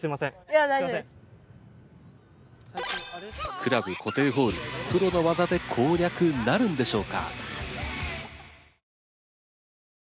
クラブ固定ホールプロの技で攻略なるんでしょうか？